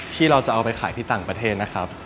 เราจะเอาไปขายที่ต่างประเทศนะครับ